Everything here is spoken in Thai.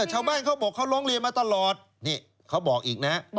เขาบอกเขาร้องเรียนมาตลอดนี่เขาบอกอีกนะ